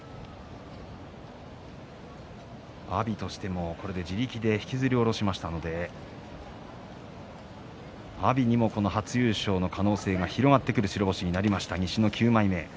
阿炎としても、これで自力で引きずり下ろしましたんで阿炎にも初優勝の可能性が広がってくる白星になりました。